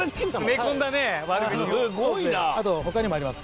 あと他にもあります。